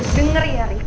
dengar ya rik